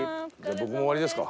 僕も終わりですか。